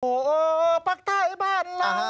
โอ้โฮปากไต้บ้านเรา